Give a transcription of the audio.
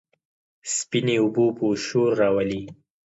سپينې اوبه به شور راولي،